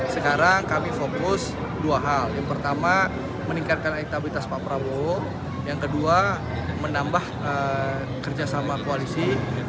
sekarang kami fokus dua hal yang pertama meningkatkan elektabilitas pak prabowo yang kedua menambah kerjasama koalisi